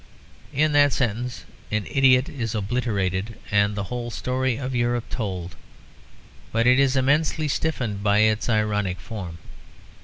In that sentence an idiot is obliterated and the whole story of Europe told; but it is immensely stiffened by its ironic form.